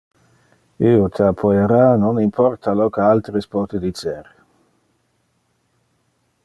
Io te appoiara non importa lo que alteres pote dicer.